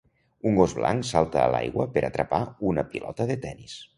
Un gos blanc salta a l'aigua per atrapar una pilota de tenis.